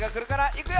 いくよ！